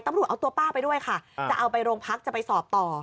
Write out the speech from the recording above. ตำรวจเอาตัวป้าไปด้วยค่ะจะเอาไปโรงพักจะไปสอบต่อ